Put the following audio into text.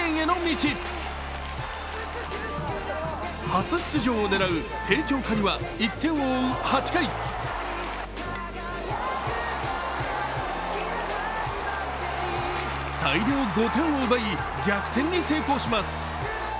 初出場を狙う帝京可児は１点を追う、８回大量５点を奪い、逆転に成功します。